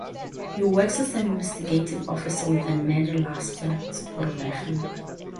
He works as an investigative officer with the Nederlandse Spoorwegen.